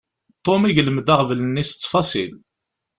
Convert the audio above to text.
Tom iglem-d aɣbel-nni s ttfaṣil.